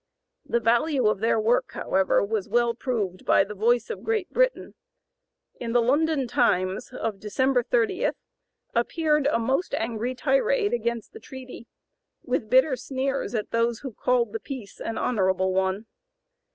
The value of their work, however, was well proved by the voice of Great Britain. In the London "Times" of December 30 appeared a most angry tirade against the treaty, with bitter sneers at those who called the peace an "honorable" one.